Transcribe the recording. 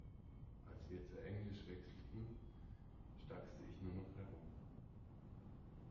Als wir zu Englisch wechselten, stakselte ich nur noch herum.